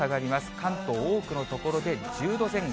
関東、多くの所で１０度前後。